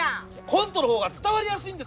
コントの方が伝わりやすいんですよ！